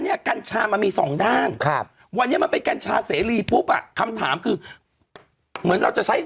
น่ากันชามันมีสองด้างครับวันนี้มาไปกันฉาเสรีปุ๊บอ่ะคำถามคือเหมือนเรา